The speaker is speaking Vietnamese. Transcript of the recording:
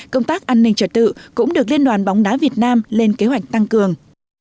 công tác an ninh trật tự cũng được liên đoàn bóng đá việt nam lên kế hoạch tăng cường